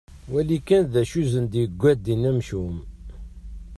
Wali kan d acu isen-yegga ddin amcum.